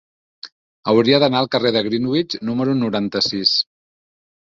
Hauria d'anar al carrer de Greenwich número noranta-sis.